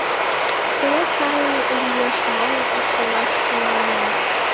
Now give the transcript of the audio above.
Чыла сай лиеш манын ӱшанаш тӱҥалына.